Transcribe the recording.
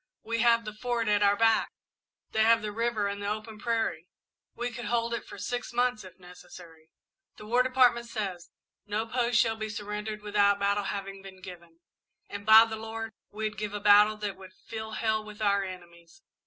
We have the Fort at our backs they have the river and the open prairie. We could hold it for six months, if necessary. The War Department says: 'No post shall be surrendered without battle having been given,' and, by the Lord, we'd give a battle that would fill hell with our enemies.